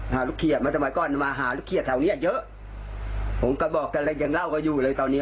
มาจากกลางก็มาหาลูกเขียดแถวนี้เยอะผมก็บอกแจทยังเล่าก็อยู่เลยตอนนี้